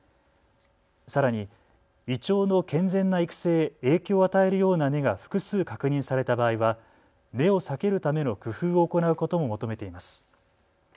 さらにイチョウの健全な育成へ影響を与えるような根が複数確認された場合は根を避けるための工夫を行うことも求めています。